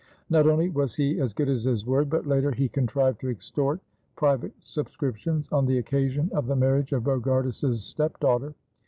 Not only was he as good as his word, but later he contrived to extort private subscriptions on the occasion of the marriage of Bogardus's step daughter.